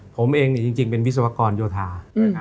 ผมเองจริงเป็นวิศวกรโยธา